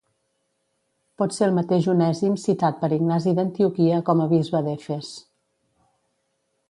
Pot ser el mateix Onèsim citat per Ignasi d'Antioquia com a bisbe d'Efes.